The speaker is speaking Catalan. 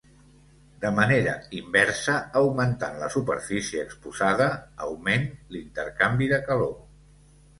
De manera inversa augmentant la superfície exposada augment l'intercanvi de calor.